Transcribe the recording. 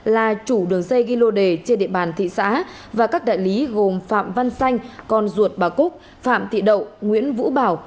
là chủ đường dây ghi lô đề trên địa bàn thị xã và các đại lý gồm phạm văn xanh con ruột bà cúc phạm thị đậu nguyễn vũ bảo